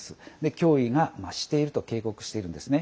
脅威が増していると警告しているんですね。